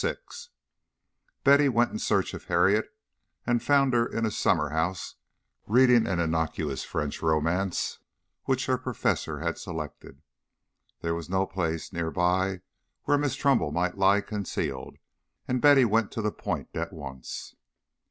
VI Betty went in search of Harriet, and found her in a summer house reading an innocuous French romance which her professor had selected. There was no place near by where Miss Trumbull might lie concealed, and Betty went to the point at once.